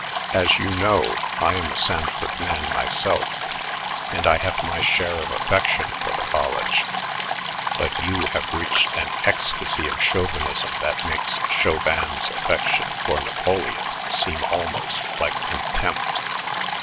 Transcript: As you know, I am a Sanford man myself, and I have my share of affection for the college, but you have reached an ecstasy of chauvinism that makes Chauvin's affection for Napoleon seem almost like contempt.